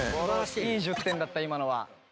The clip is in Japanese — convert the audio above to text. いい１０点だった今のは。